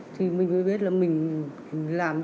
thì mình mới biết là mình làm